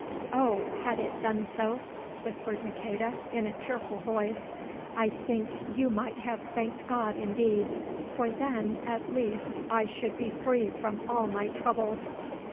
"Oh! had it done so," whispered Maqueda in a tearful voice, "I think you might have thanked God indeed, for then at least I should be free from all my troubles.